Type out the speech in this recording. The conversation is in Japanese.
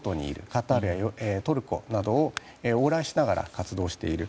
カタールやトルコなどを往来しながら活動している。